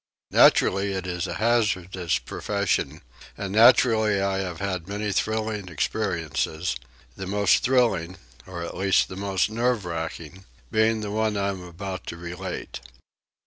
Naturally it is a hazardous profession, and naturally I have had many thrilling experiences, the most thrilling, or at least the most nerve racking, being the one I am about to relate.